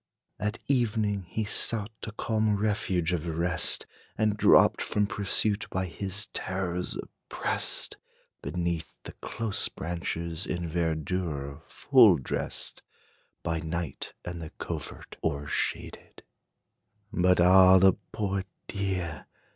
At evening, he sought a calm refuge of rest, And dropped from pursuit, by his terrors oppressed, Beneath the close branches, in verdure full dressed, By night and the covert o'ershaded. But ah, the poor deer!